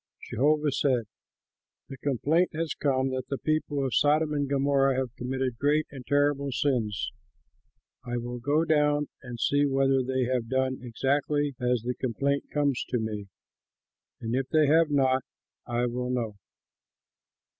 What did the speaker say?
Jehovah said, "The complaint has come that the people of Sodom and Gomorrah have committed great and terrible sins. I will go down and see whether they have done exactly as the complaint comes to me; and if they have not, I will know."